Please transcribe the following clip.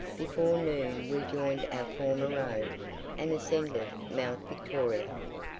Before noon we joined our former road, and ascended Mount Victoria.